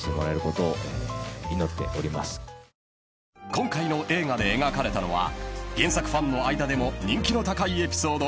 ［今回の映画で描かれたのは原作ファンの間でも人気の高いエピソード